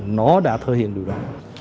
nó đã thể hiện được đó